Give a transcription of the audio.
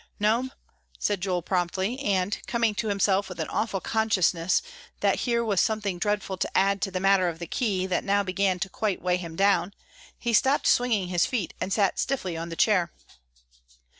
"No'm," said Joel, promptly; and, coming to himself with an awful consciousness that here was something dreadful to add to the matter of the key that now began to quite weigh him down, he stopped swinging his feet and sat stiffly on the chair.